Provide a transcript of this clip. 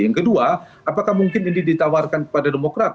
yang kedua apakah mungkin ini ditawarkan kepada demokrat